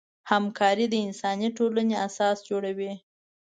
همکاري د انساني ټولنې اساس جوړوي.